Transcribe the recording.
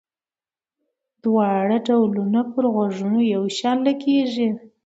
دواړه ډولونه پر غوږونو یو شان لګيږي.